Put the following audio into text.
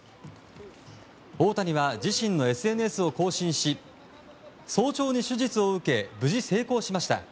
大谷は、自身のＳＮＳを更新し早朝に手術を受け無事成功しました。